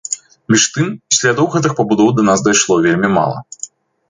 Між тым, слядоў гэтых пабудоў да нас дайшло вельмі мала.